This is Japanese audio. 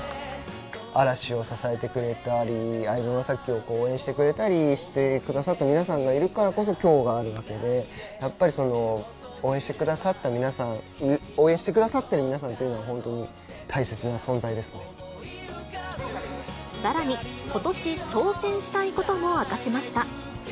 嵐を支えてくれたり、相葉雅紀を応援してくれたりしてくださった皆さんがいるからこそ、きょうがあるわけで、やっぱり、応援してくださった皆さん、応援してくださっている皆さんは、さらに、ことし挑戦したいことも明かしました。